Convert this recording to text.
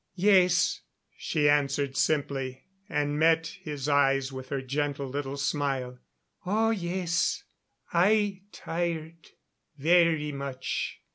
"Yes," she answered simply, and met his eyes with her gentle little smile. "Oh, yes I tired. Very much."